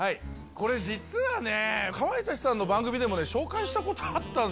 実はねかまいたちさんの番組でも紹介したことあったんですよね。